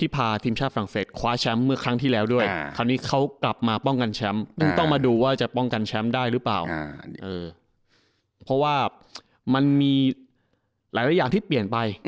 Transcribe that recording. เป็นครั้งที่สองของเอเชียนะ